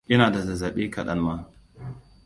Ina da zazzaɓi kaɗan ma